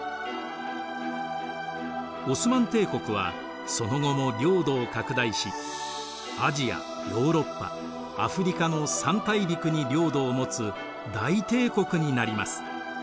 オスマン帝国はその後も領土を拡大しアジアヨーロッパアフリカの三大陸に領土を持つ大帝国になります。